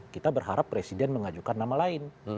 kita berharap presiden mengajukan nama lain